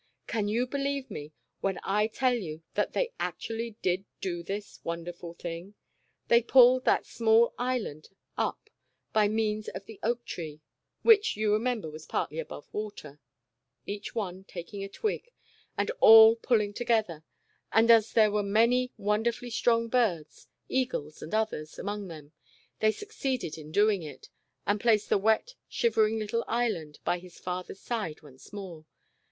Can you believe me when I tell you that they actually did do this wonderful thing? They pulled that small Island up by means of the oak tree (which you remember was partly above water) each one taking a twig, and all pulling together, and as there were The Disobedient Island. 221 many wonderfully strong birds, eagles and others, among them, they succeeded in doing it, and placed the wet, shivering little Island by his father's side, once more